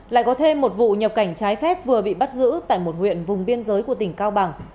lại có thêm một vụ nhập cảnh trái phép vừa bị bắt giữ tại một huyện vùng biên giới của tỉnh cao bằng